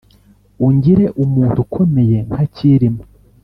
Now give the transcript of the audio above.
Ungire umuntu ukomeye nka Cyilima